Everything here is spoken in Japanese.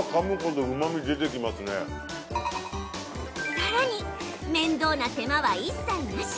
さらに面倒な手間は一切なし。